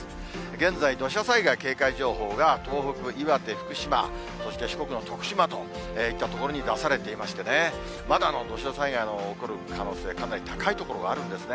現在、土砂災害警戒情報が東北、岩手、福島、そして四国の徳島といった所に出されていまして、まだ土砂災害の起こる可能性、かなり高い所があるんですね。